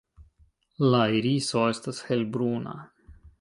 La iriso estas helbruna.